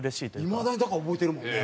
いまだにだから覚えてるもんね。